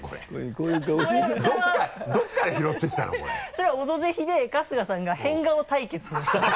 それ「オドぜひ」で春日さんが変顔対決をしたときの。